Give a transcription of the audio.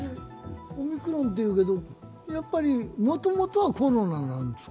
オミクロンっていうけどもともとはコロナなんですか？